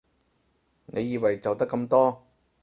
你以為就得咁多？